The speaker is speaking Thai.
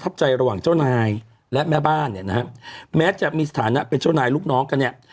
ใจระหว่างเจ้านายและแม่บ้านเนี่ยนะฮะแม้จะมีสถานะเป็นเจ้านายลูกน้องกันเนี่ย